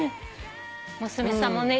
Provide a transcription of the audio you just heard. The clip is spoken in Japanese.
娘さんもね